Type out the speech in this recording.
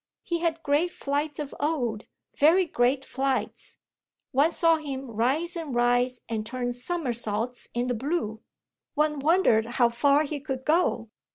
He had great flights of old, very great flights; one saw him rise and rise and turn somersaults in the blue one wondered how far he could go.